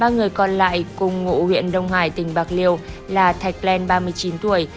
ba người còn lại cùng ngụ huyện đông hải tỉnh bạc liêu là thạch lan ba mươi chín tuổi